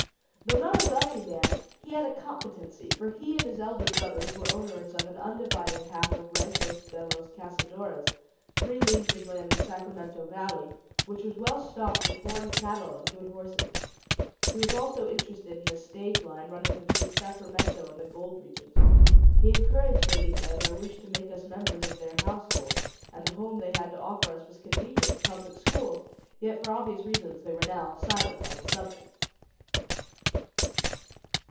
Though not a wealthy man, he had a competency, for he and his elder brother were owners of an undivided half of Ranchos de los Cazadores (three leagues of land in Sacramento Valley), which was well stocked with horned cattle and good horses. He was also interested in a stage line running between Sacramento and the gold regions. He encouraged Elitha in her wish to make us members of their household, and the home they had to offer us was convenient to public schools; yet for obvious reasons they were now silent on the subject.